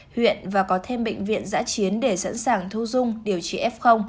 huyện và có thêm bệnh viện giã chiến để sẵn sàng thu dung điều trị f